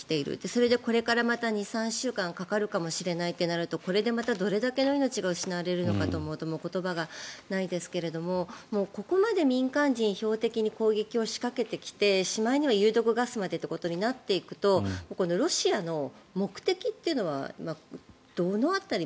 それで、これからまた２３週間かかるかもしれないとなるとこれでまたどれだけの命が失われるのかと思うともう言葉がないですがもうここまで民間人を標的に攻撃を仕掛けてきてしまいには有毒ガスまでとなってくるとロシアの目的というのはどの辺り。